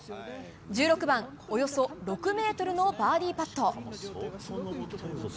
１６番、およそ６ｍのバーディーパット。